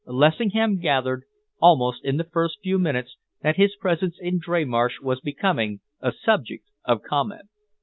Lessingham gathered, almost in the first few minutes, that his presence in Dreymarsh was becoming a subject of comment.